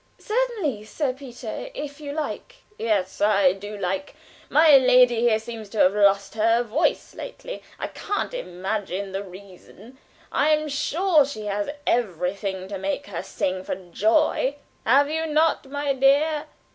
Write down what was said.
"Certainly, Sir Peter, if you like." "Yes, I do like. My lady here seems to have lost her voice lately. I can't imagine the reason. I am sure she has everything to make her sing for joy; have you not, my dear?"